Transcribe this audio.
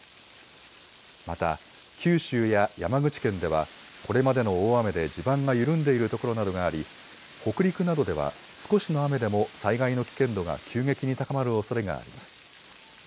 また九州や山口県ではこれまでの大雨で地盤が緩んでいるところなどがあり北陸などでは少しの雨でも災害の危険度が急激に高まるおそれがあります。